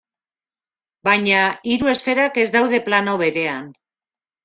Baina hiru esferak ez daude plano berean.